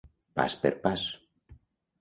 Pas per pas.